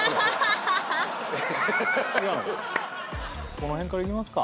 この辺からいきますか。